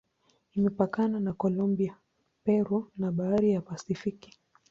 Imepakana na Kolombia, Peru na Bahari ya Pasifiki.